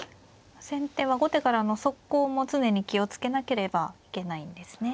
先手は後手からの速攻も常に気を付けなければいけないんですね。